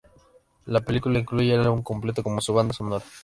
La película incluye el álbum completo como su banda sonora.